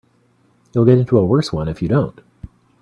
You'll get into a worse one if you don't.